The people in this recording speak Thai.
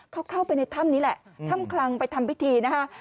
เขาเข้าไปในถ้ำนี้แหละถ้ำคลังไปทำพิธีนะคะ